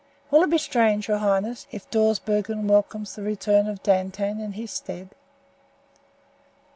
Will it be strange, your highness, if Dawsbergen welcomes the return of Dantan in his stead?"